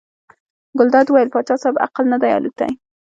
ګلداد وویل پاچا صاحب عقل نه دی الوتی.